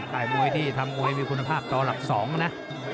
แต่มวยที่ตั้งว่าจะมีคุณภาพต่อหลัก๒นะ